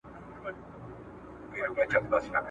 پر هغي لاري به وتلی یمه !.